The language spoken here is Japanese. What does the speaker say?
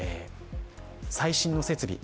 最新の設備。